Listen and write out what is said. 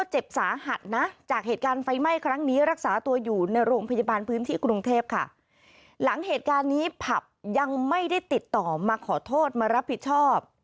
หลังเหตุการณ์นี้ผับยังไม่ได้ติดต่อมาขอโทษมารับผิดชอบ